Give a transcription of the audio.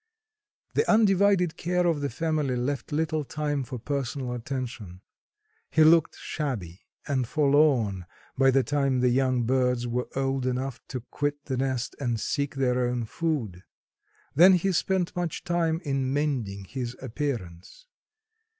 The undivided care of the family left little time for personal attention. He looked shabby and forlorn by the time the young birds were old enough to quit the nest and seek their own food. Then he spent much time in mending his appearance.